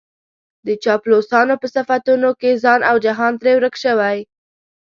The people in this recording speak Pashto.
د چاپلوسانو په صفتونو کې ځان او جهان ترې ورک شوی.